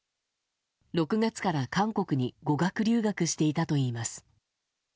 ６月から韓国に語学留学していたといいます。